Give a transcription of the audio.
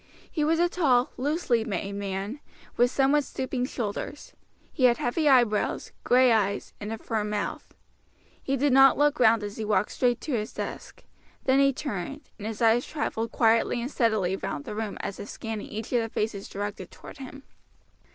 He was a tall, loosely made man, with somewhat stooping shoulders; he had heavy eyebrows, gray eyes, and a firm mouth. He did not look round as he walked straight to his desk; then he turned, and his eyes traveled quietly and steadily round the room as if scanning each of the faces directed toward him.